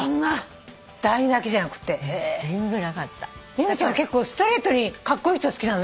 由美ちゃんは結構ストレートにカッコいい人好きなのね。